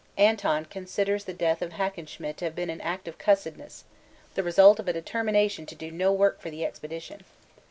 Anton considers the death of Hackenschmidt to have been an act of 'cussedness' the result of a determination to do no work for the Expedition!!